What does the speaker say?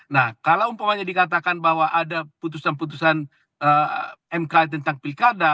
nah kalau umpamanya dikatakan bahwa ada putusan putusan mk tentang pilkada